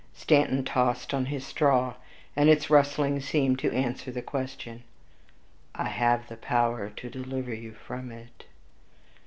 Stanton tossed on his straw, and its rustling seemed to answer the question. "I have the power to deliver you from it."